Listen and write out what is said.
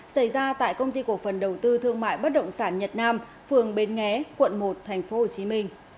xảy ra tại công ty cổ phần đầu tư thương mại bất động sản nhật nam phường bến nghé quận một tp hcm